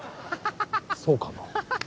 そうかな。